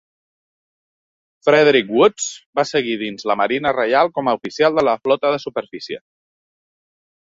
Frederick Woods va seguir dins la Marina Reial com a oficial de la flota de superfície.